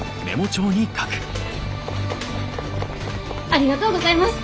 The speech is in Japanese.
ありがとうございます。